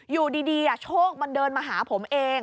อยู่ดีโชคมันเดินมาหาผมเอง